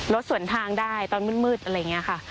รถสวนทางได้ตอนมืดอะไรอย่างนี้ค่ะ